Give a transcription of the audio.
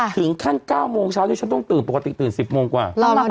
๙โมงเช้าที่ฉันต้องตื่นปกติตื่น๑๐โมงกว่า